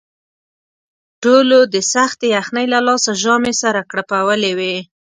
ټولو د سختې یخنۍ له لاسه ژامې سره کړپولې وې.